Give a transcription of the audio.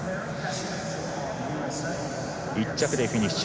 １着でフィニッシュ。